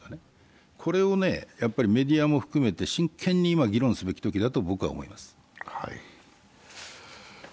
これをメディアも含めて真剣に今、議論すべきだと僕は思います。